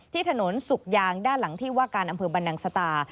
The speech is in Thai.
ที่ถนนสุกยางด้านหลังที่ว่าการอำเภอบรรนังสตา